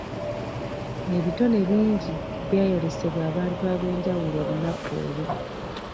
Ebitone bingi byayolesebwa abantu ab'enjawulo olunaku olwo.